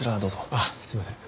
あっすいません。